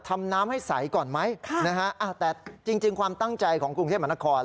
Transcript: ทำน้ำให้ใสก่อนไหมค่ะนะฮะอ่าแต่จริงจริงความตั้งใจของกรุงเทพมนาคอล